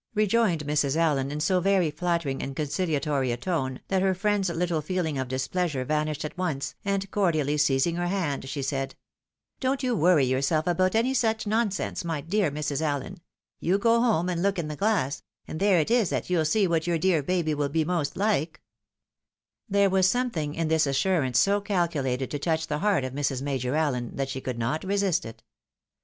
" rejoined Mrs. Allen, in so very flattering and concihatory a tone, that her friend's Uttle feeling of displeasure vanished at once, and cordiaUy seizing her hand, she said, " Don't you worry yourself about any such nonsense, my dear Mrs. Allen. You go home, and look in the glass, and there it is that you'U see what your dear baby wiU. be most Uke." 8 THE WIDOW MARRIED. There was sometHng in this assurance so calculated to touch the heart of Mrs. Major Allen, that she could not resist it.